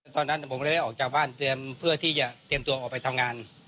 ตอนนั้นผมก็เลยออกจากบ้านเตรียมเพื่อที่จะเตรียมตัวออกไปทำงาน